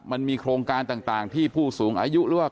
มันมีโครงการต่างที่ผู้สูงอายุหรือว่า